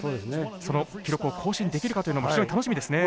その記録を更新できるかというのも非常に楽しみですね。